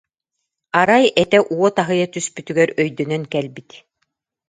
Арай этэ уот аһыйа түспүтүгэр өйдөнөн кэлбит